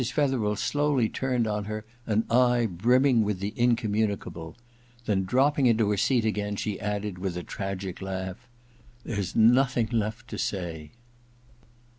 Fetherd slowly turned on her an eye brimming with the mconununicable ; then; dropping into her seat again, she added, with a tragic laugh :* There's nothing left to say.'